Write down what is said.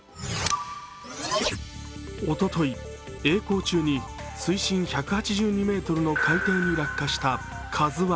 おととき、えい航中に水深１８２ｍの海底に落下した「ＫＡＺＵⅠ」。